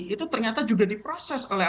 itu ternyata juga diproses oleh